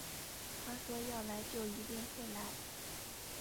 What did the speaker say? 他说要来就一定会来